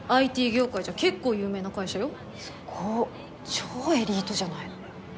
超エリートじゃないの。